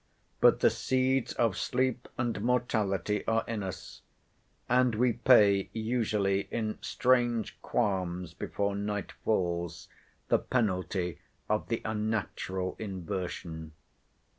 But the seeds of sleep and mortality are in us; and we pay usually in strange qualms, before night falls, the penalty of the unnatural inversion.